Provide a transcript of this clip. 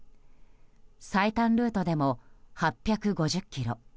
最短ルートでも８５０ｋｍ。